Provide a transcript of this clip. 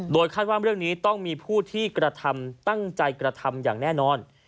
คาดว่าเรื่องนี้ต้องมีผู้ที่กระทำตั้งใจกระทำอย่างแน่นอน